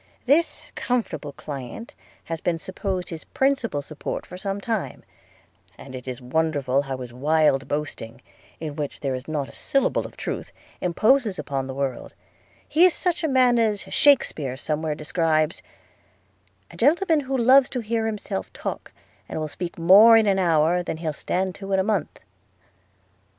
– This comfortable client has been supposed his principal support for some time; and it is wonderful how his wild boasting, in which there is not a syllable of truth, imposes upon the world – He is such a man as Shakespeare somewhere describes – 'A gentleman who loves to hear himself talk, and will speak more in an hour than he'll stand to in a month.'